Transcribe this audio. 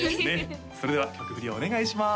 それでは曲振りをお願いします